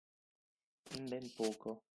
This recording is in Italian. In ben poco.